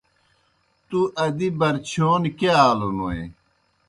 توْ ادی برچِھیون کیْہ آلوْنوئے؟